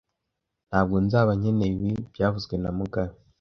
Ntabwo nzaba nkeneye ibi byavuzwe na mugabe